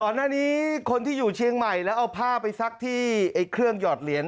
หน้าคนที่อยู่เชียงใหม่แล้วเอาผ้าไปซักที่เครื่องหยอดเหรียญ